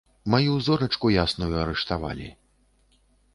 Маю зорачку ясную арыштавалі.